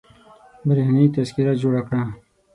برېښنايي تذکره جوړه کړه